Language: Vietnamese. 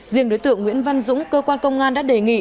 riêng đối tượng nguyễn văn dũng cơ quan công an đã đề nghị